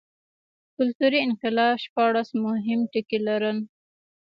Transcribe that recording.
کلتوري انقلاب شپاړس مهم ټکي لرل.